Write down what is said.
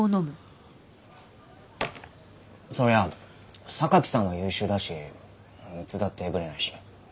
そりゃ榊さんは優秀だしいつだってブレないし。